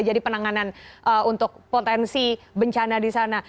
jadi penanganan untuk potensi bencana di sana